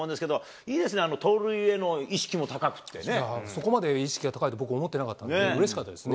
いいですね、盗塁への意識も高くそこまで意識が高いと、僕思ってなかったので、うれしかったですね。